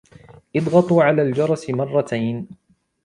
اضغطوا على الجرس مرتين.